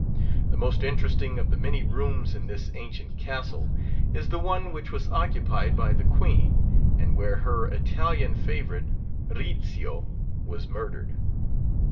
The most interesting of the many rooms in this ancient castle, is the one which was occupied by the Queen, and where her Italian favourite, Rizzio, was murdered.